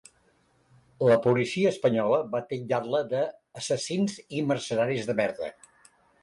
La policia espanyola, va titllar-la de ‘assassins’ i ‘mercenaris de merda’.